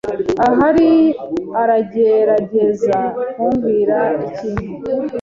Ahari aragerageza kumbwira ikintu.